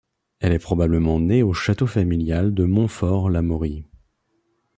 Elle est probablement née au château familial de Montfort-l'Amaury.